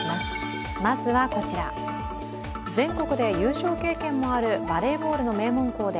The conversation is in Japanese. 全国で優勝経験もあるバレーボールの名門校で